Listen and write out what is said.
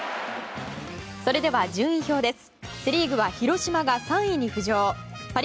それでは順位表です。